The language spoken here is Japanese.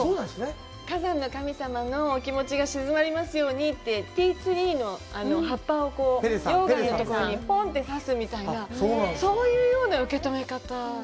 火山の神様の気持ちが静まりますようにって、ティーツリーの葉っぱを溶岩のところにぽんと刺すみたいなそういうような受け止め方。